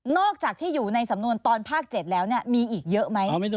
อกจากที่อยู่ในสำนวนตอนภาค๗แล้วมีอีกเยอะไหม